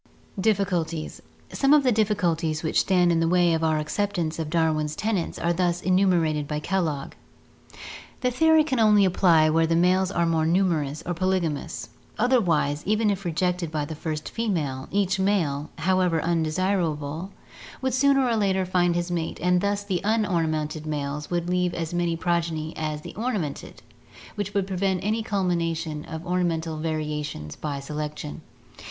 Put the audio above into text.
Difficulties. — Some of the difficulties which stand in the way of our acceptance of Darwin's tenets are thus enumerated by Kellogg: The theory can only apply where the males are more numerous or polygamous, otherwise even if rejected by the first female each male, however undesirable, would sooner or later find his mate 122 ORGANIC EVOLUTION and thus the unornamented males would leave as many progeny as the ornamented, which would prevent any cumulation of or namental variations by selection.